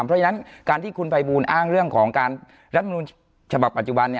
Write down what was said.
เพราะฉะนั้นการที่คุณภัยบูลอ้างเรื่องของการรัฐมนุนฉบับปัจจุบัน